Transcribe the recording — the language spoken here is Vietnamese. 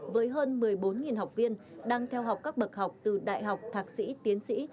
với hơn một mươi bốn học viên đang theo học các bậc học từ đại học thạc sĩ tiến sĩ